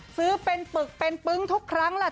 ซื้อเป็นปึกเป็นปึ้งทุกครั้งแหละ